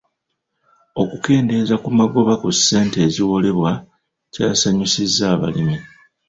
Okukendeeza ku magoba ku ssente ezeewolebwa kyasanyusizza abalimi.